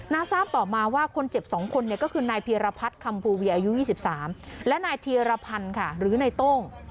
น่าทราบตอบมาว่าคนเจ็บ๒คนเนี่ยก็คือนายเพียรพัฒน์คัมภูเวียอายุ๒๓และนายเทียรพันค่ะหรือในต้ง